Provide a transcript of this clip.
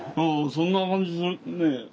そんな感じするね。